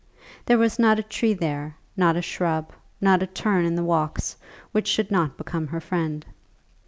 There was not a tree there, not a shrub, not a turn in the walks, which should not become her friend.